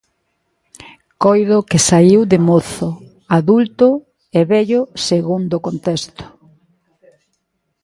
Coido que saíu de mozo, adulto e vello segundo o contexto.